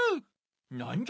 なんじゃ？